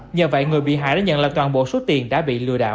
nhờ vậy người bị hại đã nhận lại toàn bộ số tiền đã bị lừa đảo